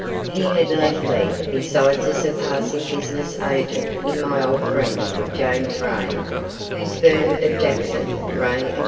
He had latterly, besides, a surpassing business agent in my old friend James Rae, whose firm of Jackson, Rae and Co.